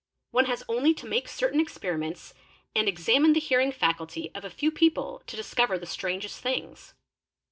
One has only to make certain experiments and examine the hearing faculty of a few people to discover the strangest things.